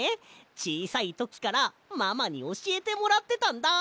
ちいさいときからママにおしえてもらってたんだ。